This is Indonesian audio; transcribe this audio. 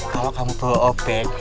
kalau kamu bawa obeng